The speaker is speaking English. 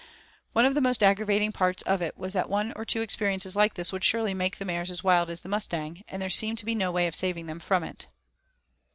One of the most aggravating parts of it was that one or two experiences like this would surely make the mares as wild as the Mustang, and there seemed to be no way of saving them from it.